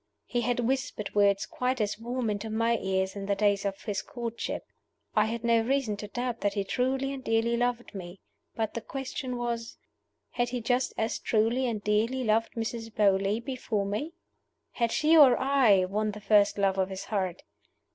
He had whispered words quite as warm into my ears in the days of his courtship. I had no reason to doubt that he truly and dearly loved me. But the question was, Had he just as truly and dearly loved Mrs. Beauly before me? Had she or I won the first love of his heart?